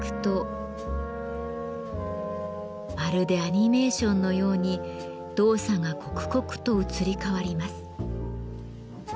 まるでアニメーションのように動作が刻々と移り変わります。